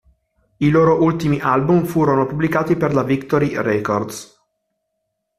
I loro ultimi album furono pubblicati per la Victory Records.